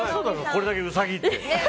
これだけ、うさぎって。